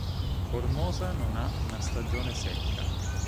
Formosa non ha una stagione secca.